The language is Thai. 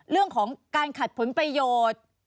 เรื่องของการขัดผลประโยชน์